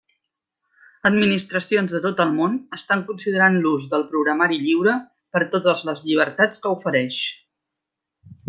Administracions de tot el món estan considerant l'ús del programari lliure per totes les llibertats que ofereix.